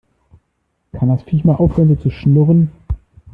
Kann das Viech mal aufhören so zu schnurren?